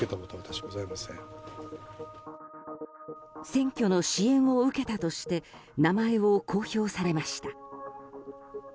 選挙の支援を受けたとして名前を公表されました。